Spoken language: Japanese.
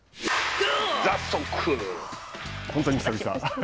本当に久々。